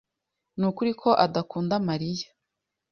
Nukuri ko adakunda Mariya?